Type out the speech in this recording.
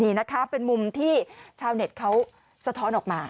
นี่นะคะเป็นมุมที่ชาวเน็ตเขาสะท้อนออกมา